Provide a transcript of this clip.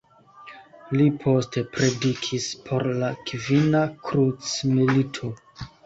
Li poste predikis por la Kvina krucmilito.